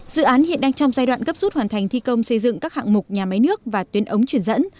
dự án hiện đang trong giai đoạn gấp rút hoàn thành thi công xây dựng các hạng mục nhà máy nước và tuyến ống truyền dẫn